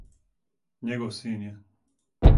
Његов син је.